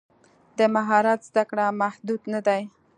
د مهارت زده کړه محدود نه ده.